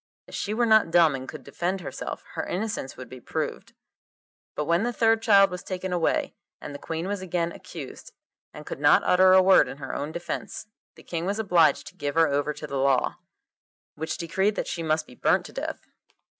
If she were not dumb and could defend herself, her innocence would be proved.' But when the third child was taken away, and the Queen was again accused, and could not utter a word in her own defence, the King was obliged to give her over to the law, which decreed that she must be burnt to death.